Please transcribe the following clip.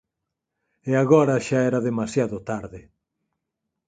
E agora xa era demasiado tarde.